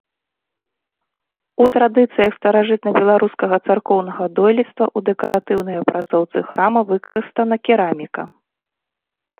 У традыцыях старажытнабеларускага царкоўнага дойлідства ў дэкаратыўнай апрацоўцы храма выкарыстана кераміка.